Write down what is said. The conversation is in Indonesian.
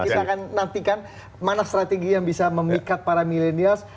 kita akan nantikan mana strategi yang bisa memikat para milenials